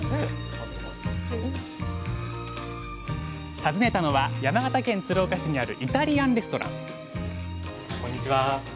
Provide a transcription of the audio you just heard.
訪ねたのは山形県鶴岡市にあるイタリアン・レストランこんにちは。